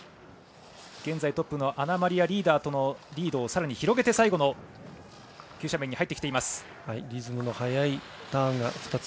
現在トップのアナマリア・リーダーとのリードをさらに広げて最後の急斜面。